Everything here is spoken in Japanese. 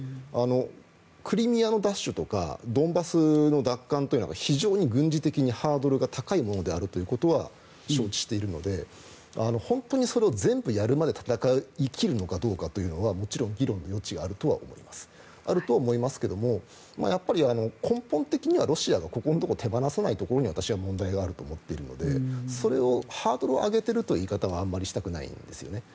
クリミアの奪取とかドンバスの奪還というのが非常に軍事的にハードルが高いということは承知しているので本当にそれを全部やるまで戦い切るのかどうかというのはもちろん議論の余地があるとは思いますけどもやっぱり根本的にはロシアがここのところを手放さないところに私は問題があると思っているのでそれをハードルを上げているという言い方はあまりしたくないんですね。